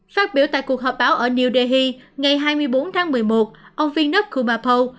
phát biểu tại cuộc họp báo ở new delhi ngày hai mươi bốn tháng một mươi một ông vinnuv gumapow